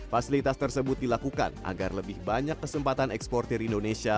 fasilitas tersebut dilakukan agar lebih banyak kesempatan ekspor terindonesia